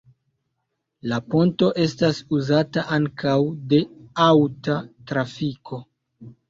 La ponto estas uzata ankaŭ de aŭta trafiko.